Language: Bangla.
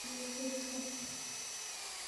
এই বিয়ে অবৈধ।